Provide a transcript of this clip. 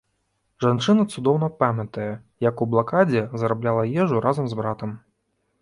Жанчына цудоўна памятае, як у блакадзе зарабляла ежу разам з братам.